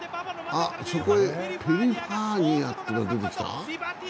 そこへペリファーニアっていうのが出てきた。